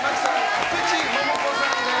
福地桃子さんです！